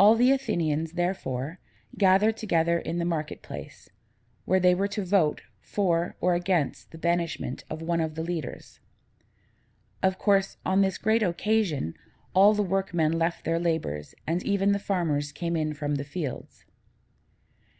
All the Athenians, therefore, gathered together in the market place, where they were to vote for or against the banishment of one of the leaders. Of course, on this great occasion, all the workmen left their labors, and even the farmers came in from the fields.